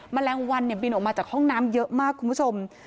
แมลงวันบินออกมาจากห้องน้ำเยอะมากคุณผู้ชม